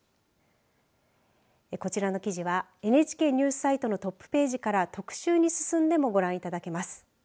こちらの記事はＮＨＫニュースサイトのトップページから特集に進んでもご覧いただけます。